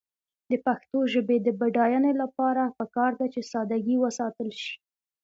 د پښتو ژبې د بډاینې لپاره پکار ده چې ساده ګي وساتل شي.